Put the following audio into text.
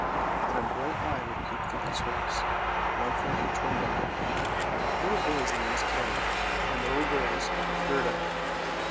Then a bright eye would peep through these holes, one from each window. The little boy's name was Kay, and the little girl's Gerda.